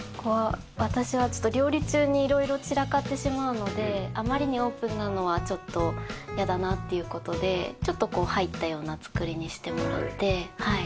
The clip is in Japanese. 私は料理中に色々散らかってしまうのであまりにオープンなのはちょっと嫌だなという事でちょっとこう入ったような造りにしてもらって。